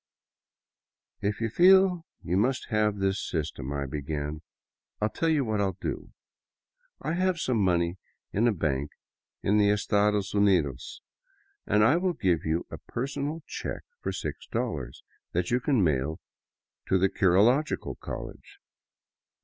" If you feel you must have this system,'* I began, " I '11 tell you what I '11 do. I have some money in a bank in the Estados Unidos, and I will give you a personal check for $6 that you can mail to the Chirological College."